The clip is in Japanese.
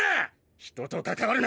人と関わるな！